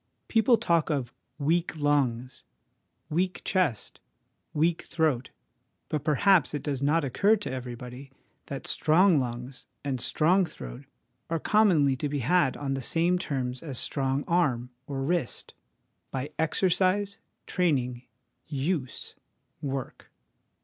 People talk of ' weak lungs,' ' weak chest,' * weak throat/ but perhaps it does not occur to everybody that strong lungs and strong throat are commonly to be had on the same terms as a strong arm or wrist by exercise, training, use, work.